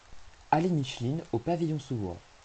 Allée Micheline aux Pavillons-sous-Bois